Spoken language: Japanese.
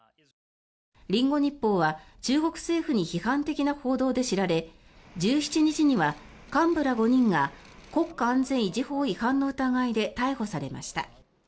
リンゴ日報は中国政府に批判的な報道で知られ１７日には幹部ら５人が国家安全維持法違反の疑いで逮捕されました。